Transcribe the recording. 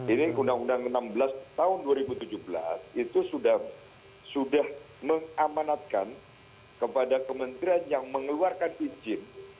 ini undang undang enam belas tahun dua ribu tujuh belas itu sudah mengamanatkan kepada kementerian yang mengeluarkan izin